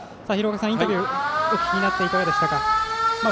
インタビューお聞きになっていかがでしたか？